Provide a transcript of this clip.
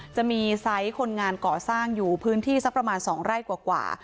จะมีไซส์คนงานก่อสร้างอยู่พื้นที่สักประมาณ๒ไร่กว่า